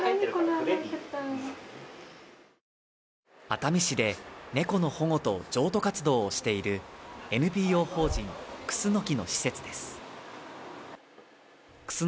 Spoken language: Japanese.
熱海市で猫の保護と譲渡活動をしているＮＰＯ法人、くすのきの施設です。